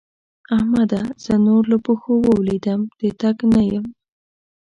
احمده! زه نور له پښو ولوېدم - د تګ نه یم.